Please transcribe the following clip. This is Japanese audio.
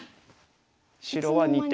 白は２手。